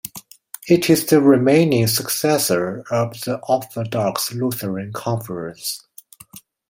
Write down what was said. It is the remaining successor of the Orthodox Lutheran Conference.